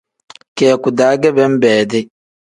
Kiyaku-daa ge benbeedi.